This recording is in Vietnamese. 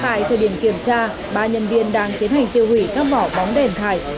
tại thời điểm kiểm tra ba nhân viên đang tiến hành tiêu hủy các vỏ bóng đèn thải